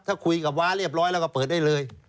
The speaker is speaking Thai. ถ้าคุยกับว้าเรียบร้อยแล้วก็เปิดได้เลย